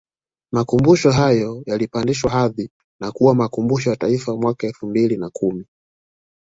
makumbusho hayo yalipandishwa hadhi na kuwa Makumbusho ya Taifa mwaka elfu mbili na kumi